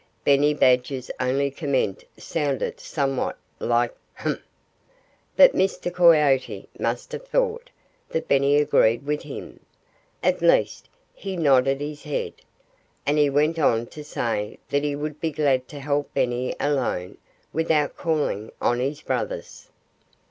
Benny Badger's only comment sounded somewhat like "Humph!" But Mr. Coyote must have thought that Benny agreed with him. At least, he nodded his head. And he went on to say that he would be glad to help Benny alone, without calling on his brothers.